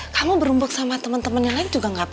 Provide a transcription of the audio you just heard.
kamu berumbuk sama teman teman yang lain juga gak apa apa